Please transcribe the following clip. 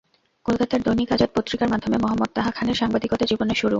কলকাতার দৈনিক আজাদ পত্রিকার মাধ্যমে মোহাম্মদ তোহা খানের সাংবাদিকতা জীবনের শুরু।